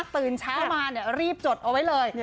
ตื่นช้ามาเนี่ยรีบจดเอาไว้เลย